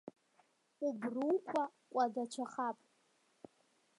Убруқәа кәадацәахап!